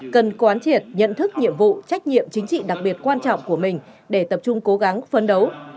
cần quán triệt nhận thức nhiệm vụ trách nhiệm chính trị đặc biệt quan trọng của mình để tập trung cố gắng phấn đấu